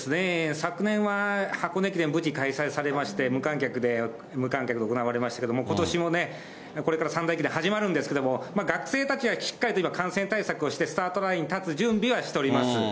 昨年は箱根駅伝、無事開催されまして、無観客で行われましたけれども、ことしもね、これから三大駅伝始まるんですけど、学生たちはしっかりと今、感染対策をしてスタートラインに立つ準備はしております。